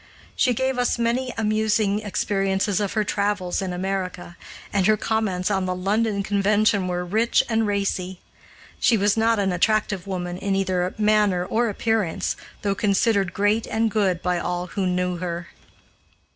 She gave us many amusing experiences of her travels in America, and her comments on the London Convention were rich and racy. She was not an attractive woman in either manner or appearance, though considered great and good by all who knew her.